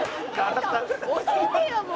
「教えてよもう！」